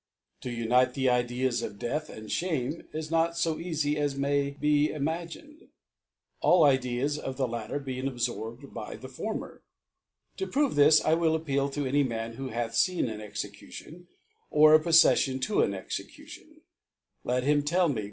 To unite the Ideas of Death and Shame is not lb eafy as may be imagined. All Ideas of the latter being abforbed by the for mer. To prove this, I will appeal to any Man who hath fcen an Execution, or a Pro ceffion to an Execution ; let him tell me